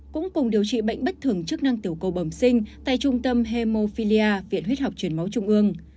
cũng cùng điều trị bệnh bất thường chức năng tiểu cầu bẩm sinh tại trung tâm hemophilia viện huyết học truyền máu trung ương